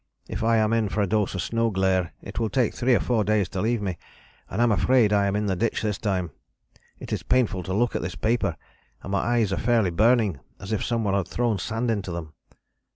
If I am in for a dose of snow glare it will take three or four days to leave me, and I am afraid I am in the ditch this time. It is painful to look at this paper, and my eyes are fairly burning as if some one had thrown sand into them."